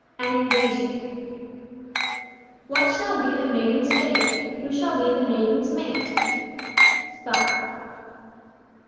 AN INVASION "What shall be the maiden's fate? Who shall be the maiden's mate?" Scott.